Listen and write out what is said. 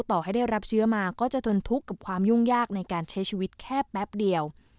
ต่อให้ได้รับเชื้อมาก็จะทนทุกข์กับความยุ่งยากในการใช้ชีวิตแค่แป๊บเดียว